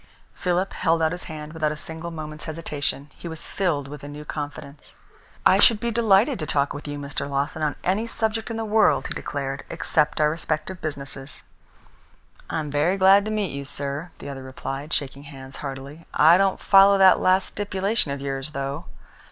Philip held out his hand without a single moment's hesitation. He was filled with a new confidence. "I should be delighted to talk with Mr. Lawton on any subject in the world," he declared, "except our respective businesses." "I am very glad to meet you, sir," the other replied, shaking hands heartily. "I don't follow that last stipulation of yours, though."